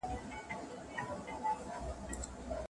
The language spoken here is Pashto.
هغه د کلونو راهیسې زده کړه کوله.